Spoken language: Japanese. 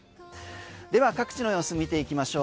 では各地の様子見ていきましょう